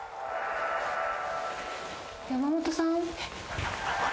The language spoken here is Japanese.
山本さん。